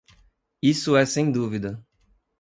Isso é sem dúvida.